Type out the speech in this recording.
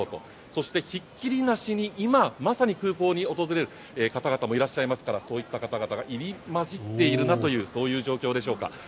そして、ひっきりなしに今まさに空港に訪れる方々もいらっしゃいますからこういった方々が入り交じっているなという状況でしょうか。